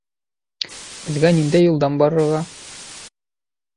Беҙгә ниндәй юлдан барырға?